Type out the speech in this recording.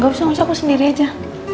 gak usah gak usah aku sendiri aja